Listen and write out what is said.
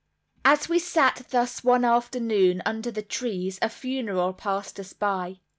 As we sat thus one afternoon under the trees a funeral passed us by.